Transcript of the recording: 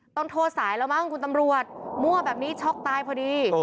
ต้องโทษสายแล้วมั้งคุณตำรวจมั่วแบบนี้ช็อกตายพอดี